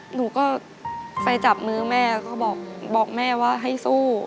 หนูก็ไปจับมือแม่ก็บอกแม่ว่าให้สู้